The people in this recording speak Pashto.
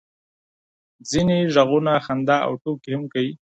ځینې غږونه خندا او ټوکې هم کوي.